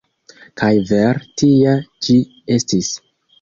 Kaj vere tia ĝi estis.